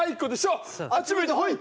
あっち向いてホイ。